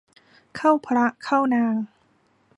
เข้าพระเข้านาง